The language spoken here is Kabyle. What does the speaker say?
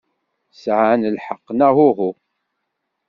Sɛan lḥeqq, neɣ uhu?